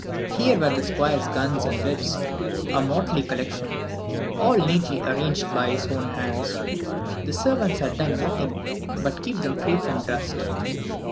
Here were the Squire's guns and whips, a motley collection, all neatly arranged by his own hands. The servants had done nothing but keep them free from dust.